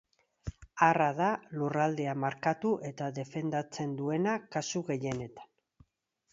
Arra da lurraldea markatu eta defendatzen duena kasu gehienetan.